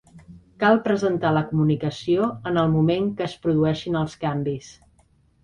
Cal presentar la comunicació en el moment que es produeixin els canvis.